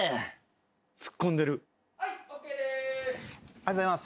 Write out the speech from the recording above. ありがとうございます。